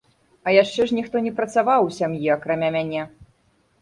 А яшчэ ж ніхто не працаваў у сям'і, акрамя мяне.